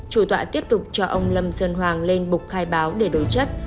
chủ tọa tiếp tục cho ông lâm sơn hoàng lên bục khai báo để đối chất